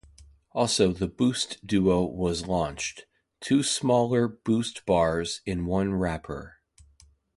Also the Boost Duo was launched; two smaller Boost bars in one wrapper.